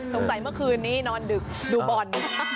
เมื่อคืนนี้นอนดึกดูบอล